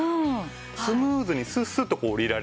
スムーズにスッスッとこう下りられますよね。